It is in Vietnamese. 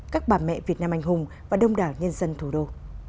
các bà mẹ việt nam anh hùng và đông đảo nhân dân thủ đô